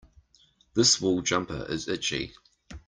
This wool jumper is itchy.